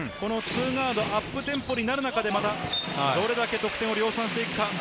アップテンポになる中でどれだけ得点を量産していくか。